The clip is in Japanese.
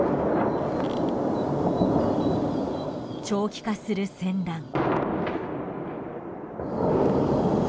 長期化する戦乱。